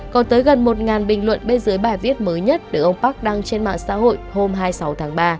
còn tới gần một bình luận bên dưới bài viết mới nhất được ông park đăng trên mạng xã hội hôm hai mươi sáu tháng ba